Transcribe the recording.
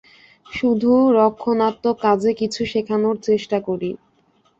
শুধু রক্ষণাত্মক কাজে কিছু শেখানোর চেষ্টা করি।